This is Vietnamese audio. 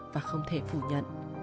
và không thể phủ nhận